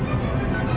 apaan sih ini